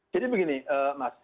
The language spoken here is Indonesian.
jadi begini mas